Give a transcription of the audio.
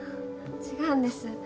違うんです。